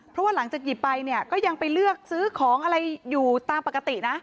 เพราะว่าหลังจากหยิบไปเนี่ยก็ยังไปเลือกซื้อของอะไรอยู่ตามปกตินะ